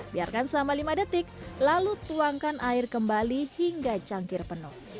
biarkan selama lima detik lalu tuangkan air kembali hingga cangkir penuh